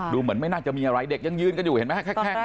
เหมือนไม่น่าจะมีอะไรเด็กยังยืนกันอยู่เห็นไหมฮะ